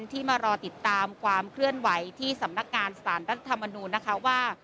ที่มารอติดตามความเคลื่อนไหวที่สำนักงานสารรัฐธรรมนูญนะคะว่า